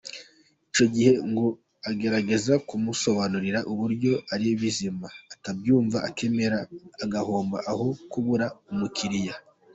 Icyo gihe ngo agerageza kumusobanurira uburyo ari bizima, atabyumva akemera agahomba aho kubura umukiriya.